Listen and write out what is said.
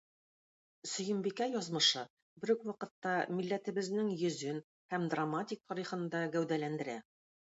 Сөембикә язмышы, бер үк вакытта, милләтебезнең йөзен һәм драматик тарихын да гәүдәләндерә.